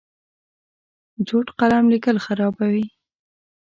چوټ قلم لیکل خرابوي.